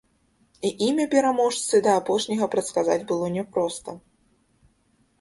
І імя пераможцы да апошняга прадказаць было няпроста.